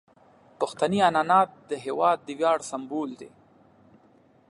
پښتني عنعنات د هیواد د ویاړ سمبول دي.